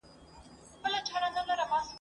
د جګړې ډګر له خټو او وینو ډک وو.